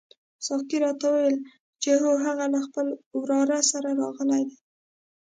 ساقي راته وویل چې هو هغه له خپل وراره سره راغلی دی.